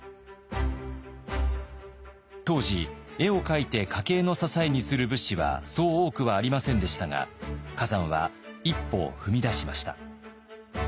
当時絵を描いて家計の支えにする武士はそう多くはありませんでしたが崋山は一歩を踏み出しました。